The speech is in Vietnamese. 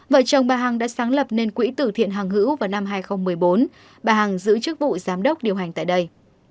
vợ chồng bà hằng đã sáng lập nên quỹ tử thiện hàng hữu vào năm hai nghìn một mươi bốn bà hằng giữ chức vụ giám đốc điều hành tại đây